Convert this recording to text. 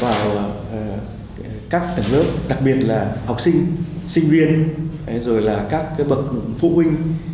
vào các tầng lớp đặc biệt là học sinh sinh viên rồi là các bậc phụ huynh